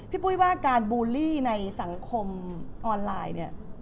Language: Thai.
ปุ้ยว่าการบูลลี่ในสังคมออนไลน์เนี่ย